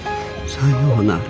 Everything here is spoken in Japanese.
さようなら。